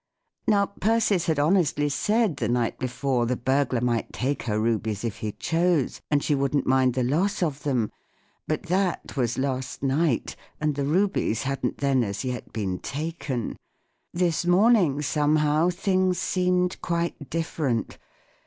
Now, Persis had honestly said the night before the burglar might take her rubies if he chose, and she wouldn't mind the loss of them. But that was last night, and the rubies hadn't then as yet been taken. This morning, somehow, things seemed quite different.